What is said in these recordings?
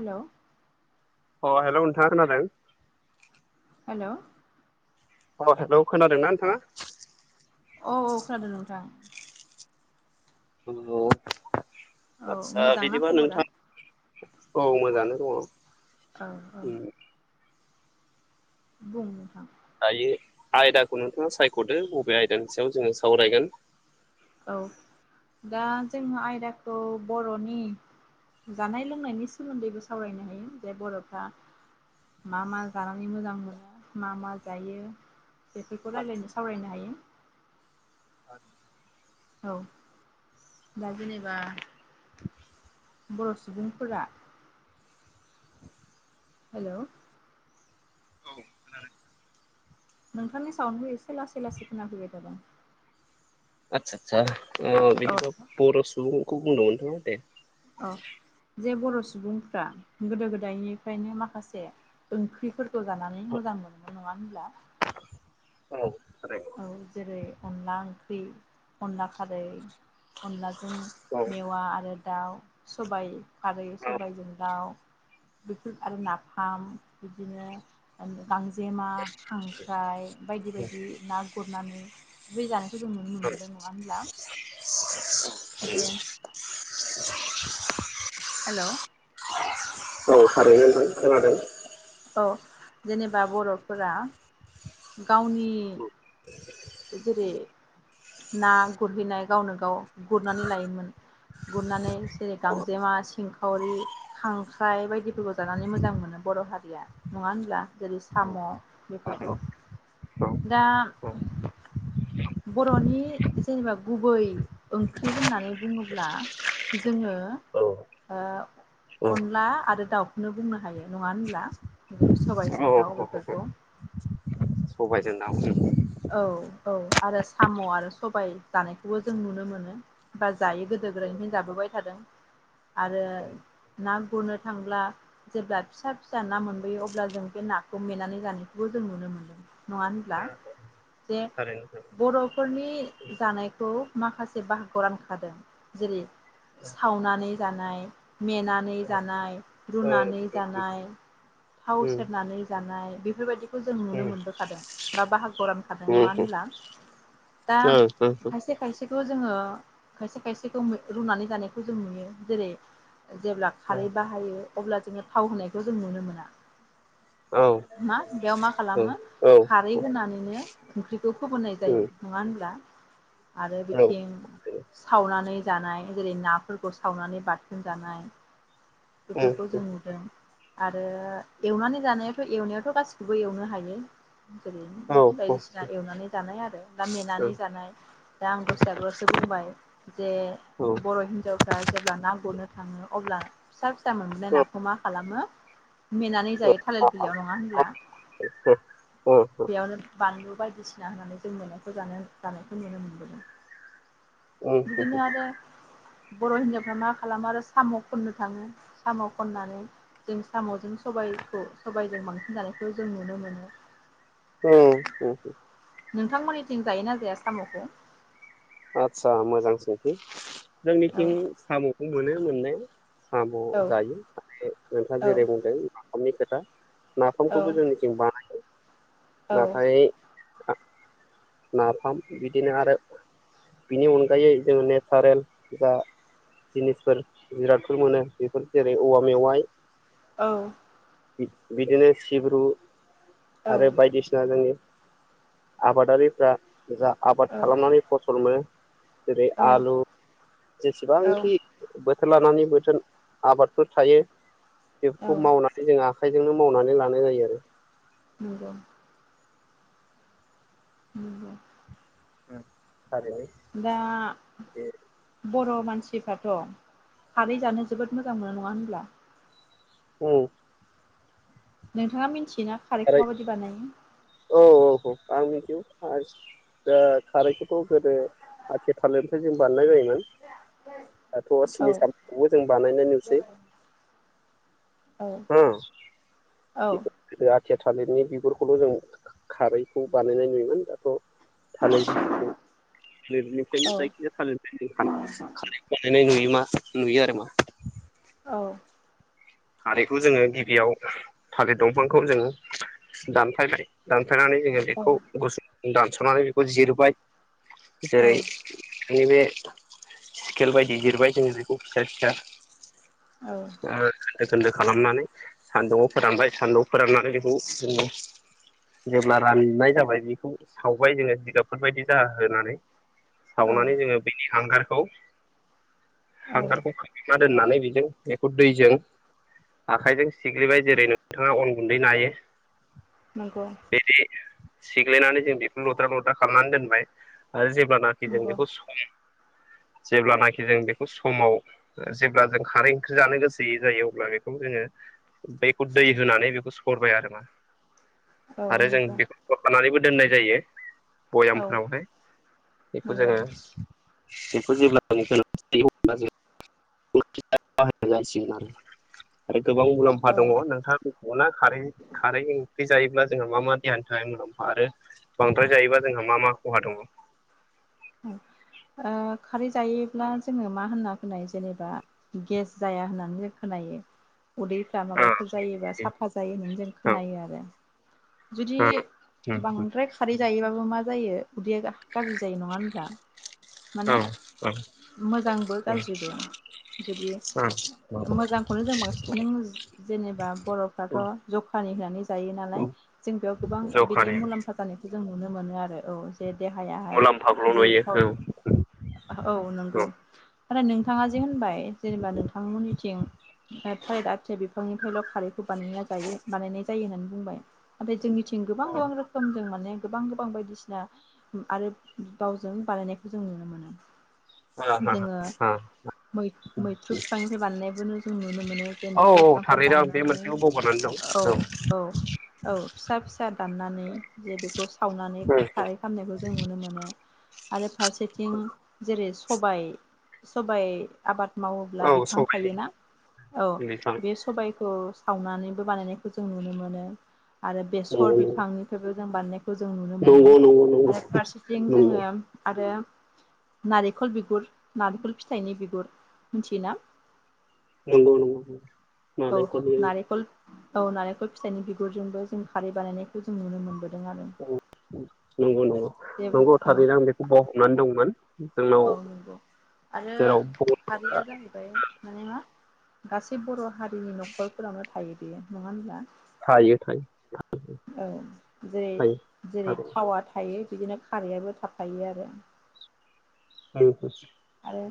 Hello अ hello नोंथाङा खोनादों हेलौ अ हेलौ खोनादोंना नोंथाङा औ औ खोनादों नोंथां औ औ आदसा मोजांना बिदिबा खबरा नोंथां औ मोजाङानो दङ औ औ उम बुं नोंथां दायो आयदाखौ नोंथाङा सायख'दो बबे आयदानि सायाव जोङो सावरायगोन औ दा जोङो आयदाखौ बर'नि जानाय लोंनायनि सोमोन्दैबो सावरायनो हायो जे बर'फ्रा मा मा जानानै मोजां मोनो मा मा जायो बेफोरखौ रायलायनो सावरायनो हायो औ दा जेनेबा बर' सुबुंफोरा हेलौ नोंथांनि साउन्डखौ एसे लासै लासै खोनाफैबाय थादों आतसा आतसा अ बिदिबा औ बर सुबुं [unintelligible] औ जे बर' सुबुंफ्रा गोदो गोदायनिफ्रायनो माखासे ओंख्रिफोरखौ जानानै मोजां मोनो नङा होनब्ला औ थारैनो औ जेरै अनला ओंख्रि अनला खारै अनलाजों औ मेवा आरो दाउ सबाइ खारै सबायजों दाउ बेफोर आरो नाफाम बिदिनो गांजेमा खांख्राइ बायदि बायदि ना गुरनानै बे जानायखौ जों नुनो मोनबोदों नङा होनब्ला जे हेलौ औ [unintelligible] खोनादों औ जेनेबा बर'फोरा गावनि जेरै ना गुरहैनाय गावनो गाव गुरनानै लायोमोन गुरनानै जेरै गांजेमा सिंखावरि खांख्राइ बायदिफोरखौ जानानै मोजां मोनो बर' हारि नङा होनब्ला जेरै साम' औ बेफोरखौ दा बर'नि जेनेबा गुबै ओंख्रि होननानै बुङोब्ला जोङो औ ओ अनला आरो दाउखौनो बुंनो हायो नङा होनब्ला। सबाइजों दाउ औ बेफोरखौ सबायजों [unintelligible] औ औ आरो साम' आरो सबाय जानायखौबो जों नुनो मोनो बा जायो गोदो गोदायनिफ्रायनो जाबोबाय थादों आरो ना गुरनो थांब्ला जेब्ला फिसा फिसा ना मोनबोयो अब्ला जों बे नाखौ मेनानै जानायखौबो जों नुनो मोनदों नङा होनब्ला जे थारैनो बर'फोरनि जानायखौ माखासे बाहागोआव रानखादों जेरै सावनानै जानाय मेनानै जानाय रुनानै जानाय थाव सेरनानै जानाय बेफोरबायदिखौ जों नुनो मोनबोखादों बा बाहागो [unintelligible] रानखादों नङा होनब्ला दा औ खायसे खायसेखौ जोङो खायसे खायसेखौ रुनानै जानायखौ जों नुयो जेरै जेब्ला औ खारै बाहायो अब्ला जोङो थाव होनायखौ जों नुनो मोना। औ औ मा बेयाव मा खालामो औ उम औ खारै होनानै ओंख्रिखौ फोमोनाय जायो उम नङा होनबा दा। आरो औ बिथिं सावनानै जानाय। जेरै नाफोरखौ सावनानै बाथोन जानाय। बेफोरखौ जों नुदों आरो एवनानै जानायावाथ एवनायावाथ गासिखौबो एवनो हायो। जेरै औ बायदिसिना एवनानै जानाय आरो बा मेनानै जानाय दा आं दसे आगोलावसो बुंबाय जे बर' हिनजावफ्रा जेब्ला ना गुरनो थाङो अब्ला [unintelligible] [unintelligible] मोनबोनाय नाखौ मा खालामो मेनानै जायो थालिर बिलयाव नङा होनब्ला औ बेयावनो। बानलु बायदिसिना होनानै जों मेनायखौ जानो जानायखौ नुनो मोनबोदों। बिदिनो आरो बर' हिनजावफ्रा मा खालामो आरो साम' खन्नो थाङो साम' खननानै जों साम'जों सबायखौ सबायजों बांसिन जानायखौ जों नुनो मोनो उम नोंथांमोननिथिं जायो ना जाया साम'खौ आतसा मोजां सोंथि जोंनिथिं औ मिथिं साम'खौ मोनो मोननाय [inaudible] साम' औ जायो माने नोंथाङा औ जेरै बुंदों [unintelligible] खोथा औ नाफामखौबो जोंनिथिं बानायो। औ नाथाय नाफाम बिदिनो आरो बिनि अनगायै जों नेसारेल जा जिनिसफोर जिरादफोर मोनो बेफोर जेरै औवा मेवाइ औ बिदिनो सिब्रु आरो बाय जोंनि आबादारिफ्रा जा आबाद खालामनानै फसल मोनो जेरै औ औ आलु औ जेसेबांखि बो बोथोर लानानै बोथोर आबादफोर थायो औ बेफोरखौ मावनानै जोंहा आखाइजोंनो मावनानै लानाय जायो आरो नंगौ। उम औ दा बर' मानसिफ्राथ' सानै जानो जोबोद मोजां मोनो नङा होनब्ला औ नोंथाङा मिथि बिदिना खारैखौ खारै माबायदि बानायो? औ औ औ आं [unintelligible] ओ खारैखौथ' गोदो आथि थालिरनिफ्राय जों बारनाय जायोमोन दाथ' औ सिनि सामामखौबो जों बानायनाय नुसै औ औ थिया थालिरनि बिगुरखौल' जों खारैखौ बानायनाय नुयोमोन दाथ' थालिर [unintelligible] जायखि औ जाखाया थालिर बिफां [unintelligible] नुयो आरोमा औ थालिरखौ जोङो गिबियाव थालिर दंफांखौ जोंङो दानफायबाय खिन्थानानै जोङो बेखौ गुसो दानसना बेखौ जिरबाय औ जेरै बिदिनो सिकेल बायदि जिरबाय जों बिखौ फिसा फिसा औ खोन्दो खोन्दो खालामनानै सान्दुंआव फोरानबाय सान्दुंआव फोराननानै बेखौ जोङो जेब्ला राननाय जाबाय बेखौ सावबाय जोङो जिगाबफोर बायदि जाहोनानै। औ सावनानै जोङो बेनि हांगार औ औ हांगारखौ [unintelligible] ना दोननानै बेजों बेखौ दैजों आखायजों सिग्लिबाय जेरै नोंथाङा अन गुन्दै नायो नंगौ सिग्लायनानै जों बेखौ लद्रा लद्रा खालामनानै दोनबाय आरो जेब्लानाखि जों नंगौ बेखौ सुग्लियो जेब्लानाखि जों बेखौ समाव जेब्ला जों खारै ओंख्रि जानो गोसोयै जायो ब्ला बेखौनो जोङो बेखौ दै होनानै बेखौ सरबाय आरो माने औ आरो जों नंगौ बेखौ लानानैबो दोननाय जायो औ भयामफोरावहाय नंगौ बेखौ जोङो [unintelligible] [unintelligible] गोबां मुलाम्फा औ ओ दङ नोंथाङा रुख'ना खारै खारैनि रै जायोब्ला जोंहा मा मा देहानि थाखाय मुलाम्फा आरो बांद्राय जायोबा जोंहा मा मा खहा दङ? ओ खारै जायोब्ला जोङो मा होनना खोनायो जेनेबा गेस जाया होननानै जों खोनायो उदैफ्रा माबाफोर जायोबा साफा जायो होननानै जों ओ खोनायो आरो जुदि ओ ओ बांद्राय खारै जायोबा खौ मा जायो उदैया गा-गाज्रि जायो नङा होन [unintelligible] औ औ माने मोजांबो औ गाज्रिबो जुदि नंगौ मोजांखौनो जों बांसिन नों जेनेबा औ बर'फ्राथ' ज [unintelligible] जायो औ नालाय जों बेयाव गोबां बिदि जखानि मुलाम्फा जानायखौ जों नुनो मोनो आरो औ जे देहायाहाय मुलाम्फाखौल' जेरै नुयो औ थाव औ नंगौ आरो नोंथाङा जे होनबाय जेनेबा नोंथांमोननिथिं ओ थालिर आथिया बिफांनि फ्रायल' खारैखौ बानायना जायो बानायनाय जायो होननानै बुंबाय ओम जोंनि थिं गोबां गोबां राखोमजों माने गोबां गोबां बायदिसिना आरो दावजों बानायनायखौ जों नुनो मोनो औ जोङो मैथ्रु बिफांनिफ्राय बानायनायखौ जों नुनो मोनो जे औ मैथ्रु बिफांखौ थारैनो आं बे दाननानै मोनसेखौ बावगारनानै दं औ औ औ फिसा फिसा दाननानै [unintelligible] खौ सावनानै औ खारै खालामनायखौ जों नुनो मोनो आरो फारसेथिं जे सबाय सबाइ आबाद मावोब्ला औ बिफां सबायनि थायोना औ बिफां बे सबाइखौ सावनानैबो बानायनायखौ जों नुनो मोनो आरो बेसर नंगौ बिफांनिफ्रायबो जों बानायनाय जों नुनो मोनो नंगौ नंगौ आरो फारसेथिं नंगौ जोङो आरो नारेंखल बिगुर नारेंखल फिथाइनि बिगुर मिथियोना नंगौ नंगौ औ नालेंखरनि नारेखल औ नारेंखल फिथाइनि बिगुरजोंबो जों खारै बानायनाय नंगौ नंगौ जे नंगौ औ थारैनो आं बेखौ बावहाबनानै दंमोन जोंनाव औ नंगौ आरो जेराव बनफ्रा हारिया जाहैबाय माने मा गासै बर' हारिनि न'खरफोरावनो थायो बे नङा होमब्ला थायो थायो औ जेरै थायो जेरै आरो थावा थायो बिदिनो खारैयाबो थाफायो आरो औ आरो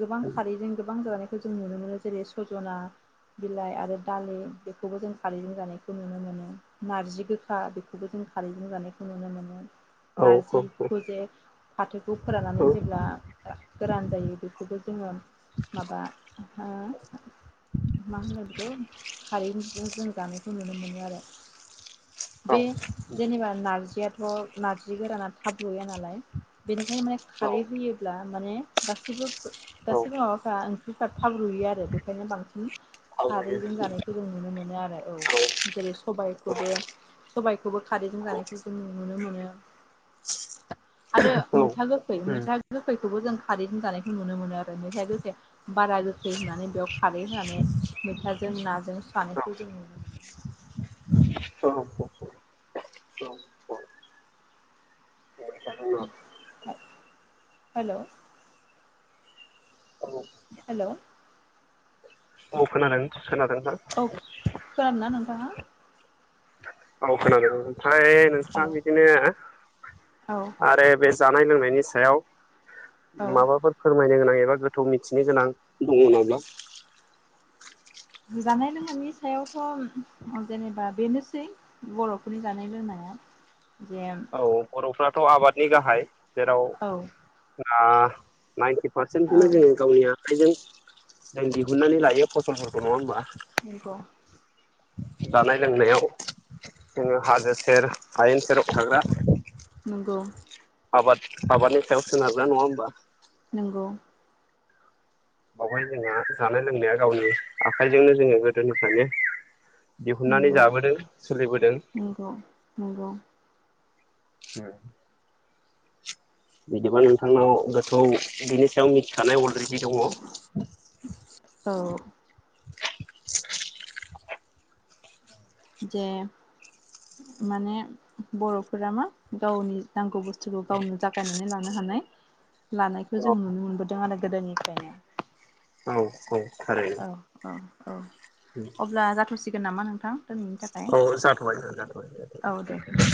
गोबां खारैजों गोबां जानाय खौ जों नुनो मोनो जेरै सजना बिलाइ आरो दालि बेखौबो जों खारैजों जानायखौ नुनो मोनो नार्जि गोखा बेखौबो जों खारैजों जानायखौ नुनो मोनो औ नारजिखौजे फाथोखौ फोराननानै जेब्ला गोरान जायो बेखौबो जोङो माबा ओ मा होनो बेखौ खारै जों जानायखौ नुनो मोनो आरो बे जेनेबा नारजियाथ ओ नारजि गोराना थाब रूया नालाय बेनिखायनो माने खारै होयोब्ला माने गासिबो गासैबो माबाफ्रा ओंख्रिफ्रा थाब रुयो आरो बे खोनो बांसिन औ खारैजों जानायखौ जों नुनो मोनो आरो औ जेरै औ उम सबायखौबो सबायखौबो खारैजों औ जानायखौ जों नुनो मोनो। [inaudible] आरो औ मैथा गोखै मैथा गोखैखौबो जों। खारैजों जानायखौ नुनो मोनो आरो। मैथाया गोखै बारा गोखै होनानै बेयाव खारै होनानै मैथाजों नाजों औ जानायखौ जों। [unintelligible] [inaudible] हेलौ हेलौ औ खोनादों। खोनादों नोंथां? दा औ खोनादों। फ्राय औ नोंस्रा बिदिनो औ आरो बेस जानाय लोंनायनि सायाव। औ माबाफोर फोरमाय थिनो गोनां एबा गोथौ मिथिनो गोनां [unintelligible] थ' जेनेबा बेनोसै बर'फोरनि जानाय लोंनाया। जे औ बर'फ्रा थ' आबादनि गाहाय। जेराव औ आ [unintelligible] औ पारसेनखौनो जों गावलिया आखाइजों जों दिहुननानै लायो फसलफोरखौ नङा होमबा नंगौ जानाय लोंनायाव जोङो हाजो सेर हायेन सेराव थाग्रा नंगौ आबाद आबादनि सायाव सोनारग्रा नङा होमबा? नोंगौ। बावहाय जोंहा जानाय लोंनाया गावनि आखाइजोंनो जोङो गोदोनिफ्रायनो दिहुननानै नंगौ जाबोदों सोलिबोदों। नंगौ नंगौ हम बिदिबा नोंथांनाव गोथौ बिनि सायाव मिथिखानाय अलरेडि औ [unintelligible] जे माने बर'फोरा मा गावनि नांगौ बुस्थु [unintelligible] गावनो जागायनानै ला नो‌ हानाय लानायखौ औ जों नुनो मोनबोदों आरो। गोदोनिफ्रायनो। औ औ औ थारैनो औ औ अब्ला जाथ'सिगोन नामा नोंथां दिनैनि थाखाय औ जाथ'बाय जाथ'बाय औ दे दे